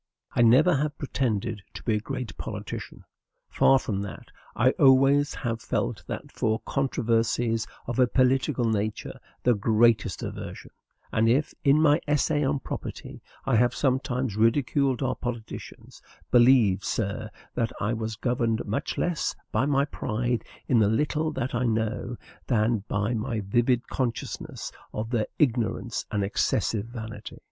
I never have pretended to be a great politician; far from that, I always have felt for controversies of a political nature the greatest aversion; and if, in my "Essay on Property," I have sometimes ridiculed our politicians, believe, sir, that I was governed much less by my pride in the little that I know, than by my vivid consciousness of their ignorance and excessive vanity.